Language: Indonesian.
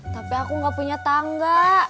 tapi aku gak punya tangga